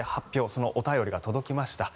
そのお便りが届きました。